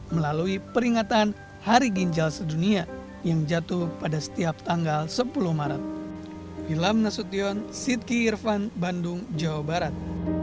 melalui peringatan hari ginjal sedunia yang jatuh pada setiap tanggal sepuluh maret